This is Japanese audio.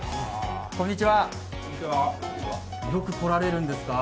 こんにちは、よく来られるんですか？